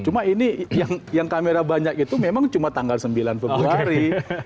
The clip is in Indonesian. cuma ini yang kamera banyak itu memang cuma tanggal sembilan februari